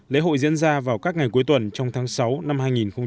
lễ hội diễn ra vào các ngày cuối tuần trong tháng sáu năm hai nghìn hai mươi